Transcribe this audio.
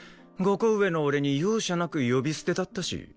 ５個上の俺に容赦なく呼び捨てだったし。